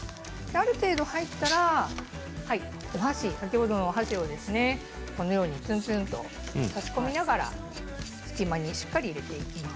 ある程度入ったら先ほどのお箸をツンツンと差し込みながら隙間にしっかり入れていきます。